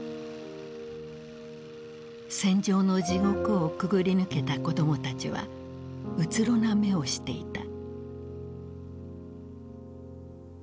戦場の地獄をくぐり抜けた子供たちはうつろな目をしていた。